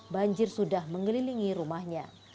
banjir sudah mengelilingi rumahnya